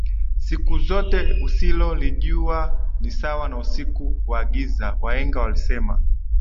Siku zote usilo lijua ni sawa na usiku wa giza wahenga walisema